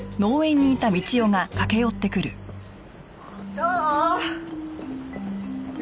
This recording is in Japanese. どう？